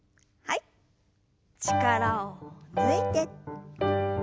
力を抜いて。